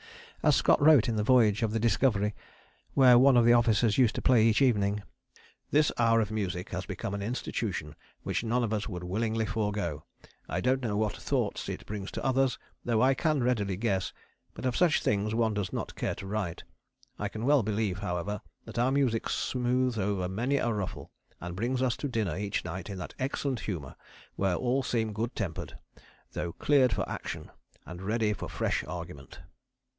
As Scott wrote in The Voyage of the Discovery, where one of the officers used to play each evening: "This hour of music has become an institution which none of us would willingly forgo. I don't know what thoughts it brings to others, though I can readily guess; but of such things one does not care to write. I can well believe, however, that our music smooths over many a ruffle and brings us to dinner each night in that excellent humour, where all seem good tempered, though 'cleared for action' and ready for fresh argument."